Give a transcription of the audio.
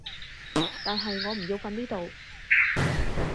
但係我唔要瞓呢度